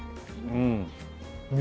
うん。